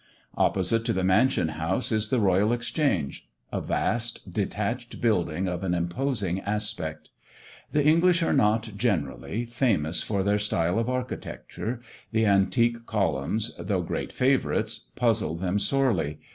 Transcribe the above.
Opposite to the Mansion house, is the Royal Exchange; a vast detached building of an imposing aspect. The English are not, generally, famous for their style of architecture; the antique columns, though great favourites, puzzle them sorely.